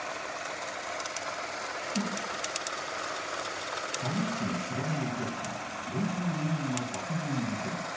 救っ介護士の斯波が起こした４２人の殺人事件